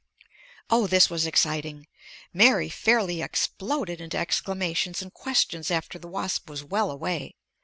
O, this was exciting. Mary fairly exploded into exclamations and questions after the wasp was well away.